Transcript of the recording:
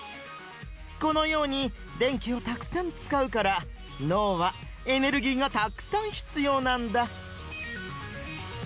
このように電気をたくさんつかうから脳はエネルギーがたくさん必要なんだ。